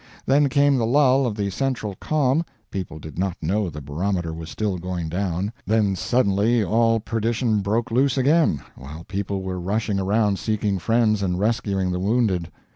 Then came the lull of the central calm people did not know the barometer was still going down then suddenly all perdition broke loose again while people were rushing around seeking friends and rescuing the wounded.